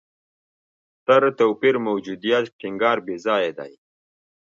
ستر توپیر موجودیت ټینګار بېځایه دی.